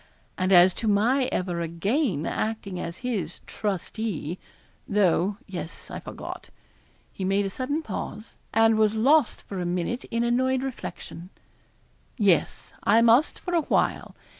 And as to my ever again acting as his trustee; though, yes, I forgot' he made a sudden pause, and was lost for a minute in annoyed reflection 'yes, I must for a while.